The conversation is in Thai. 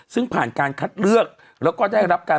ซึ่งผ่านการคัดเลือกแล้วก็ได้รับการ